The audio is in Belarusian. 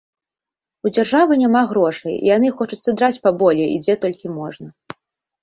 У дзяржавы няма грошай, і яны хочуць садраць паболей, і дзе толькі можна.